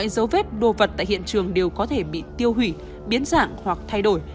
dấu vết đồ vật tại hiện trường đều có thể bị tiêu hủy biến dạng hoặc thay đổi